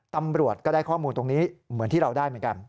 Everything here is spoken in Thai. ตำรวจก็ได้ข้อมูลตรงนี้เหมือนที่เราได้เหมือนกัน